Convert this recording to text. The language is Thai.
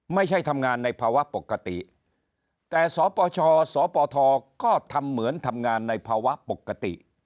ไม่ใช่ทำงานในภาวะปกติแต่สปชสปทก็ทำเหมือนทำงานในภาวะปกติ